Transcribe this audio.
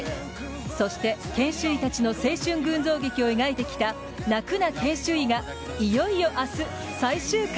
そして、研修医たちの青春群像劇を描いてきた「泣くな研修医」がいよいよ明日、最終回。